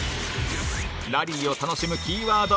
ラリーを楽しむキーワード